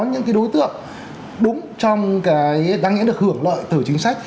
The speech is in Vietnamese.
những cái đối tượng đúng trong cái đáng nghĩa là được hưởng lợi từ chính sách